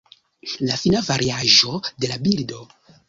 La fina variaĵo de la bildo.